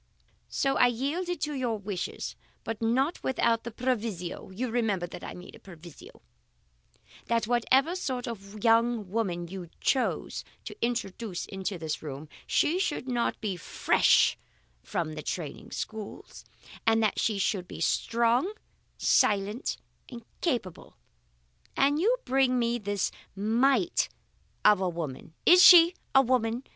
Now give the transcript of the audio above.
So I yielded to your wishes, but not without the proviso (you remember that I made a proviso) that whatever sort of young woman you chose to introduce into this room, she should not be fresh from the training schools, and that she should be strong, silent, and capable. And you bring me this mite of a woman is she a woman?